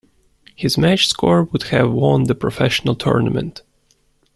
His match score would have won the professional tournament.